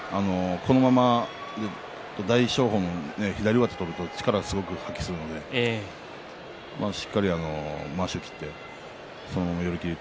このまま大翔鵬の左上手を取るとすごく力を発揮するのでしっかりまわしを切ってそのまま、寄り切り。